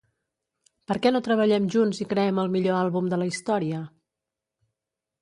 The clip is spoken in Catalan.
Per què no treballem junts i creem el millor àlbum de la història?